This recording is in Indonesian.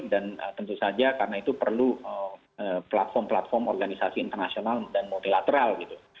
dan tentu saja karena itu perlu platform platform organisasi internasional dan multilateral